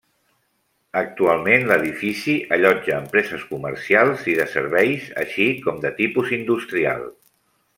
Actualment l'edifici allotja empreses comercials i de serveis, així com de tipus industrial.